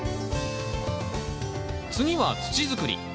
次は土づくり。